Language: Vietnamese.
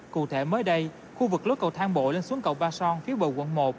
cụ thể mới đây khu vực lối cầu thang bộ lên xuống cầu ba son phía bờ quận một